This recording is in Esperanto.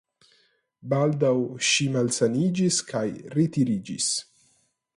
Baldaŭ ŝi malsaniĝis kaj retiriĝis.